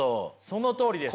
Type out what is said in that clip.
そのとおりです。